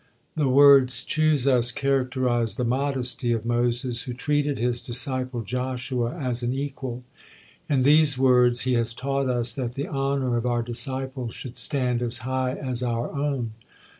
The words "choose us" characterize the modesty of Moses, who treated his disciple Joshua as an equal; in these words he has taught us that the honor of our disciples should stand as high as our own.